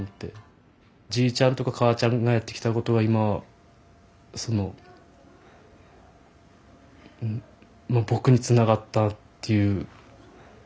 じいちゃんとか母ちゃんがやってきたことが今その僕につながったっていう。